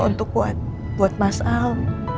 untuk buat mas al